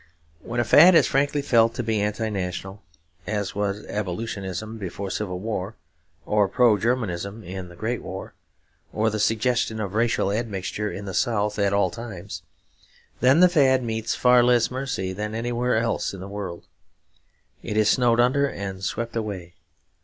When a fad is frankly felt to be anti national, as was Abolitionism before the Civil War, or Pro Germanism in the Great War, or the suggestion of racial admixture in the South at all times, then the fad meets far less mercy than anywhere else in the world; it is snowed under and swept away.